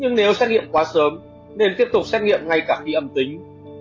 nhưng nếu xét nghiệm quá sớm nên tiếp tục xét nghiệm ngay cả khi âm tính